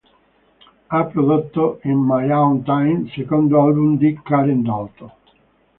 Ha prodotto "In My Own Time", secondo album di Karen Dalton.